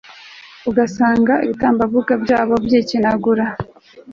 ugasanga ibitambambuga byabo byikinangura